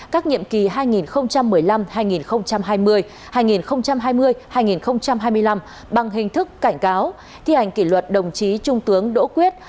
các nhiệm kỳ hai nghìn một mươi năm hai nghìn hai mươi hai nghìn hai mươi hai nghìn hai mươi năm bằng hình thức cảnh cáo thi hành kỷ luật đồng chí trung tướng đỗ quyết